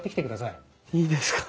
いいですか？